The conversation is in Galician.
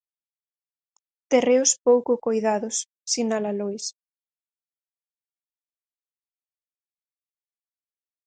"Terreos pouco coidados", sinala Lois.